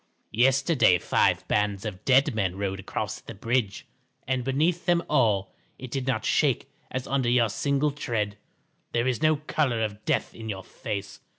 Yesterday five bands of dead men rode across the bridge, and beneath them all it did not shake as under your single tread. There is no colour of death in your face.